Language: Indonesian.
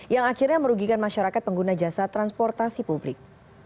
yang akhirnya merugikan masyarakat pengguna jasa transportasi publik